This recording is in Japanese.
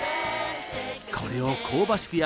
これを香ばしく